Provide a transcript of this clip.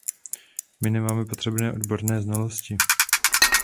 My nemáme potřebné odborné znalosti.